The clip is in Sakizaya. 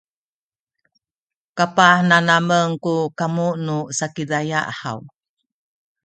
kapah nanamen ku kamu nu Sakizaya haw?